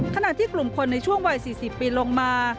ขณะที่กลุ่มคนในช่วงวัย๔๐ปีลงมา